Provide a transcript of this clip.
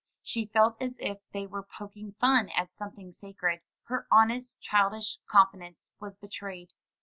She felt as if they were poking fun at something sacred; her honest, childish confidence was betrayed.